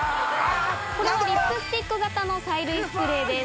これはリップスティック型の催涙スプレーです。